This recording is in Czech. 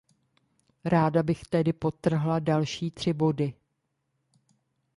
Ráda bych tedy podtrhla další tři body.